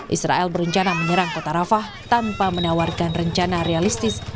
israel berencana menyerang kota rafah tanpa menawarkan rencana realistis